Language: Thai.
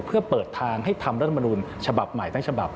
เพื่อเปิดทางให้ทำรัฐมนุนฉบับใหม่ทั้งฉบับ